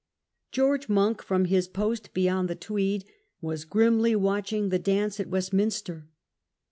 George Monk, from his post beyond the Tweed, was grimly watching the dance at Westminster.